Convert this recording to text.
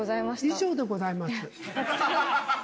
以上でございます。